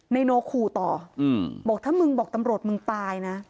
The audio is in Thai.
นายโนขู่ต่อบอกถ้ามึงบอกตำรวจมึงตายนะ